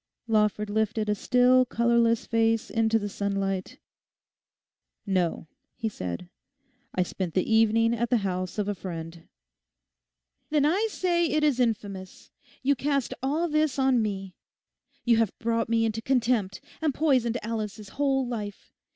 Lawford lifted a still, colourless face into the sunlight. 'No,' he said; 'I spent the evening at the house of a friend.' 'Then I say it is infamous. You cast all this on me. You have brought me into contempt and poisoned Alice's whole life.